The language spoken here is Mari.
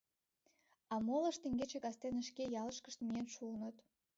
А молышт теҥгече кастене шке ялышкышт миен шуыныт...